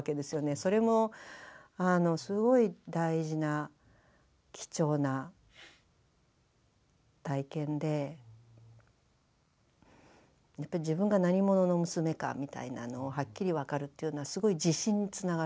それもすごい大事な貴重な体験でやっぱり自分が何者の娘かみたいなのをはっきり分かるというのはすごい自信につながる。